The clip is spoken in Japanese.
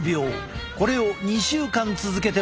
これを２週間続けてもらった。